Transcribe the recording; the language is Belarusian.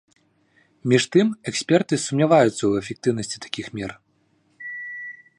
Між тым эксперты сумняваюцца ў эфектыўнасці такіх мер.